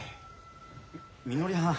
みのりはん。